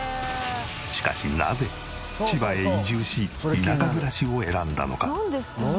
しかしなぜ千葉へ移住し田舎暮らしを選んだのか？